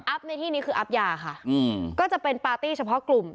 อัพในที่นี้คืออัพยาค่ะ